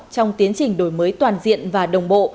trong tiến trình đổi mới toàn diện và đồng bộ